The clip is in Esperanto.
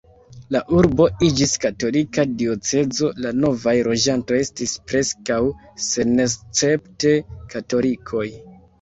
La urbo iĝis katolika diocezo, la novaj loĝantoj estis preskaŭ senescepte katolikoj.